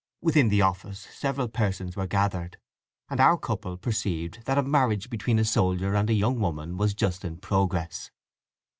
Within the office several persons were gathered, and our couple perceived that a marriage between a soldier and a young woman was just in progress.